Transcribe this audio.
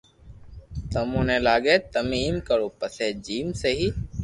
تمي ني لاگي تمو ايم ڪرو پسي جيم سھي